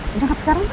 berangkat sekarang pak